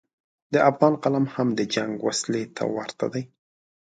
د افغان قلم هم د جنګ وسلې ته ورته دی.